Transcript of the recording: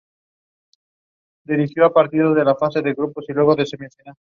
De hecho, se incluyeron intersecciones de saxo, guitarra, bajo, batería, clarinete y flauta.